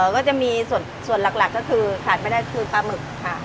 ก็จะมีส่วนหลักก็คือปลาหมึกค่ะ